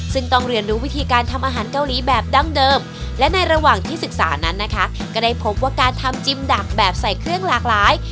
ซึ่งต้องเรียนรู้วิธีการทำอาหารเกาหลีแบบดั้งเดิมและในระหว่างที่ศึกษานั้นนะคะก็ได้พบว่าการทำจิมดักแบบใส่เครื่องหลากหลาย